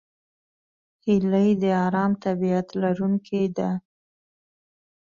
هیلۍ د آرام طبیعت لرونکې ده